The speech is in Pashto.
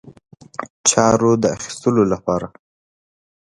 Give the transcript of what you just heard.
چارو د اخیستلو لپاره.